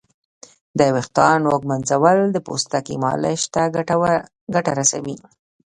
د ویښتانو ږمنځول د پوستکي مالش ته ګټه رسوي.